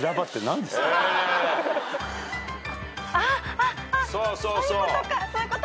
あっそういうことか！